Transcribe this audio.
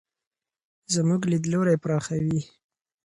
زموږ لیدلوری پراخوي.